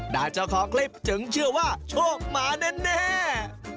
ได้เจ้าขอคลิปเจ๋งเชื่อว่าโชคมาแน่